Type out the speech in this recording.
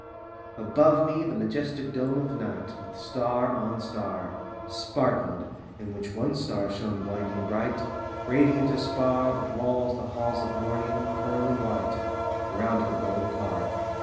Above me the majestic dome of night, With star on star, Sparkled; in which one star shone blinding bright; Radiant as spar That walls the halls of morning, pearly white Around her golden car.